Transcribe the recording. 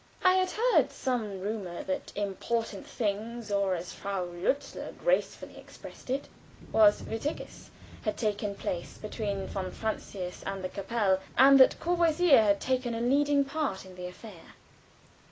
I had heard some rumor that important things or, as Frau Lutzler gracefully expressed it, was wichtiges had taken place between von Francius and the kapelle, and that Courvoisier had taken a leading part in the affair.